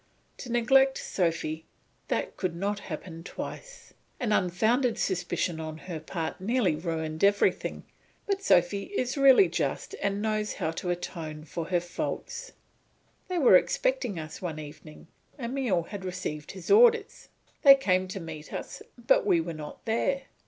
To neglect Sophy, that could not happen twice. An unfounded suspicion on her part nearly ruined everything, but Sophy is really just and knows how to atone for her faults. They were expecting us one evening; Emile had received his orders. They came to meet us, but we were not there.